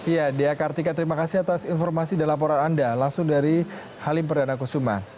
iya diakartika terima kasih atas informasi dan laporan anda langsung dari halim perdana kusuma